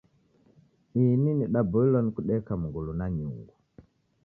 Ini nidaboilwa ni kudeka mngulu na nyungu.